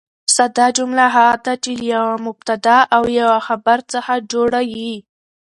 ساده جمله هغه ده، چي له یوه مبتداء او یوه خبر څخه جوړه يي.